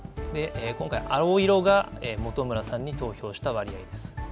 今回、青色が本村さんに投票した割合です。